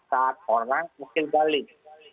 saat orang kecil balik